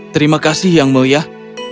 terima kasih yang meliah